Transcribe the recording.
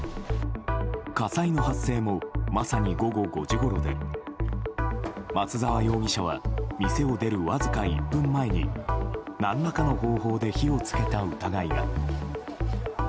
火災の発生もまさに午後５時ごろで松沢容疑者は店を出るわずか１分前に何らかの方法で火を付けた疑いが。